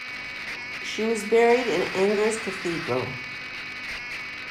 She was buried in Angers Cathedral.